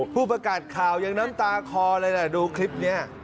ผู้ประกาศข่าวยังน้ำตาคอเลยแหละดูคลิปนี้